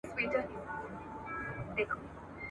پښتانه به په مېړانه جنګېدل.